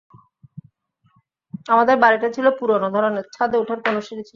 আমাদের বাড়িটা ছিল পুরনো ধরনের, ছাদে ওঠার কোনো সিঁড়ি ছিল না।